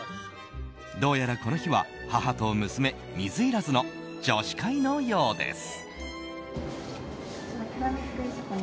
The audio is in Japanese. どうやらこの日は母と娘水入らずの女子会のようです。